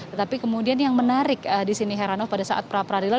tetapi kemudian yang menarik di sini heranov pada saat pra peradilan